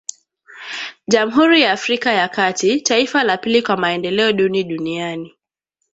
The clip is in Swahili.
Jamhuri ya Afrika ya kati, taifa la pili kwa maendeleo duni duniani